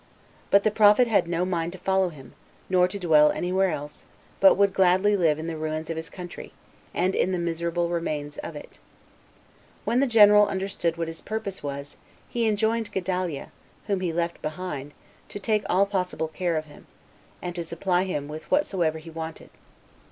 But the prophet had no mind to follow him, nor to dwell any where else, but would gladly live in the ruins of his country, and in the miserable remains of it. When the general understood what his purpose was, he enjoined Gedaliah, whom he left behind, to take all possible care of him, and to supply him with whatsoever he wanted.